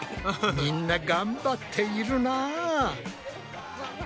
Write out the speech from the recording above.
みんながんばっているな。